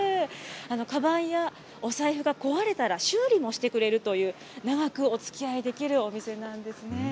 かばんやお財布が壊れたら修理もしてくれるという、長くおつきあいできるお店なんですね。